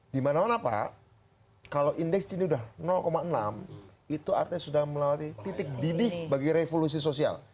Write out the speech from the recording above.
dimana mana pak kalau indeks ini sudah enam itu artinya sudah melewati titik didih bagi revolusi sosial